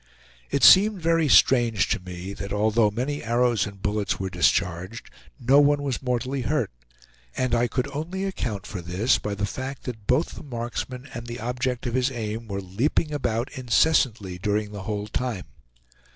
It seemed very strange to me that although many arrows and bullets were discharged, no one was mortally hurt, and I could only account for this by the fact that both the marksman and the object of his aim were leaping about incessantly during the whole time.